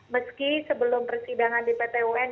meski sebelum persidangan di pt un